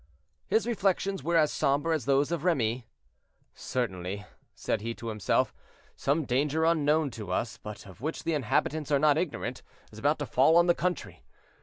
His reflections were as somber as those of Remy. "Certainly," said he to himself, "some danger unknown to us, but of which the inhabitants are not ignorant, is about to fall on the country.